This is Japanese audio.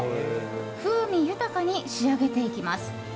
風味豊かに仕上げていきます。